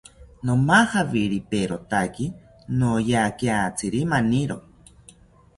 Nomajawiriperotaki noyakiatziri maniro